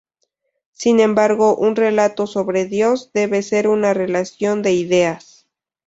Sin embargo, un relato sobre Dios, debe ser una relación de ideas.